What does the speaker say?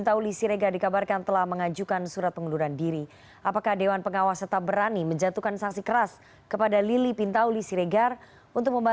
waalaikumsalam dan peneliti icw kurnia ramadana selamat sore mas kurnia